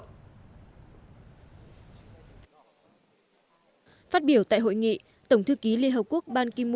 phát biểu tại hội nghị tổng thư ký liên hợp quốc ban ki moon đã hối thúc các nước thành viên trong asean phê chuẩn hiệp định paris về chống biến đổi khí hậu